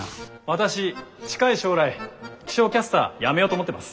私近い将来気象キャスター辞めようと思ってます。